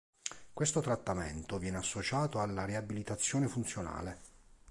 Questo trattamento viene associato alla riabilitazione funzionale.